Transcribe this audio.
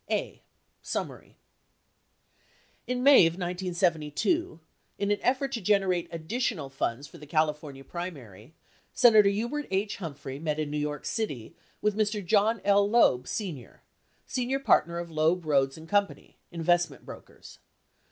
A. Summary In May of 1972, in an effort to generate additional funds for the California primary, Senator Hubert H. Humphrey met in New York City with Mr. John L. Loeb, Sr., senior partner of Loeb, Rhoades, and Co. (investment brokers)